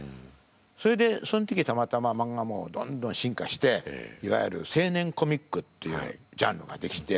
それでその時たまたま漫画もどんどん進化していわゆる青年コミックっていうジャンルができて。